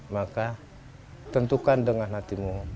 maka tentukan dengan hatimu